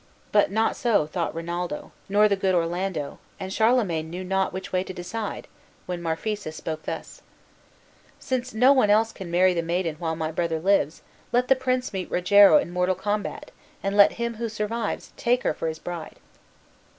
But not so thought Rinaldo, nor the good Orlando, and Charlemagne knew not which way to decide, when Marphisa spoke thus: "Since no one else can marry the maiden while my brother lives, let the prince meet Rogero in mortal combat, and let him who survives take her for his bride."